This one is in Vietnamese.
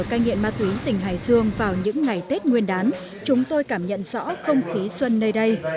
cơ sở ca nghiện ma túy tỉnh hải dương vào những ngày tết nguyên đán chúng tôi cảm nhận rõ không khí xuân nơi đây